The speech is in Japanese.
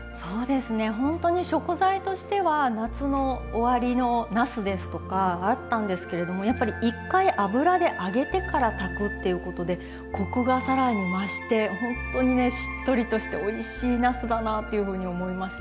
本当に食材としては夏の終わりのなすですとかだったんですけれどもやっぱり一回、油で揚げてから炊くっていうことでコクが、さらに増して本当にしっとりとしておいしいなすだなっていうふうに思いました。